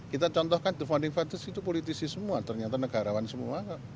kita contohkan the funding fathers itu politisi semua ternyata negarawan semua